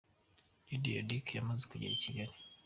Lydia Ludic yamaze kugera i Kigali.